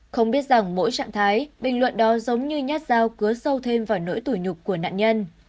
không biết rằng mỗi trạng thái bình luận đó giống như nhát dao cứa sâu thêm vào nỗi tủi nhục của nạn nhân